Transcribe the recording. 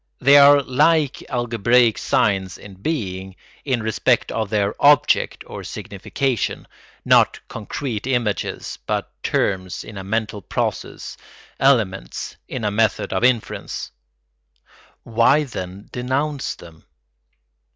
They are like algebraic signs in being, in respect of their object or signification, not concrete images but terms in a mental process, elements in a method of inference. Why, then, denounce them?